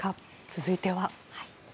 続いては。